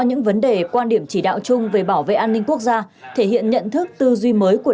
những vấn đề quan điểm chỉ đạo chung về bảo vệ an ninh quốc gia thể hiện nhận thức tư duy mới của